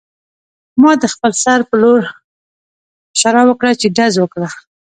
ما د خپل سر په لور اشاره وکړه چې ډز وکړه